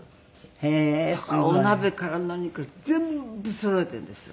だからお鍋から何から全部そろえているんですよ